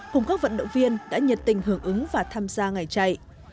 cùng các vận động viên đã nhiệt tình hưởng ứng và tham gia ngày chạy